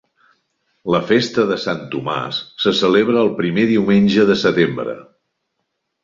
La festa de Sant Tomàs se celebra el primer diumenge de setembre.